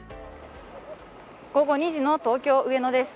午後２時の東京・上野です。